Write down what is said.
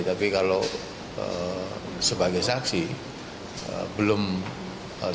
tapi kalau sebagai saksi belum